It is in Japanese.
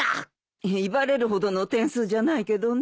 威張れるほどの点数じゃないけどね。